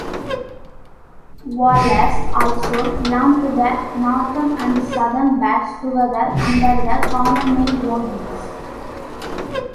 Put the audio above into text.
Whalers also lumped the northern and southern birds together under the common name "woggins".